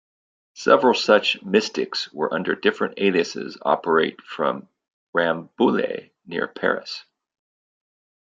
Several such "Mystics" under different aliases operate from Rambouillet near Paris.